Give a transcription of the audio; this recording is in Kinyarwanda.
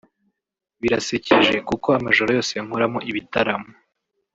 Birasekeje kuko amajoro yose nkoramo ibitaramo